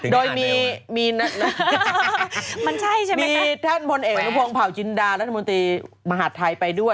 โดยมีนะมีท่านพลเอกอนุพงศ์เผาจินดารัฐมนตรีมหาดไทยไปด้วย